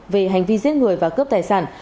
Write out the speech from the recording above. về hành vi giết người và cướp tài sản